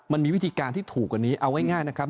มันมีวิธีการที่ถูกกว่านี้เอาง่ายนะครับ